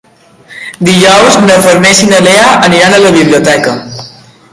Dijous na Farners i na Lea aniran a la biblioteca.